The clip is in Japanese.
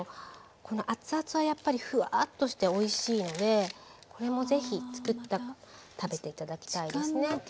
このアツアツはやっぱりフワッとしておいしいのでこれも是非作ったら食べて頂きたいですね。